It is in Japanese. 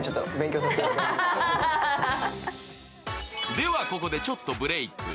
では、ここでちょっとブレーク。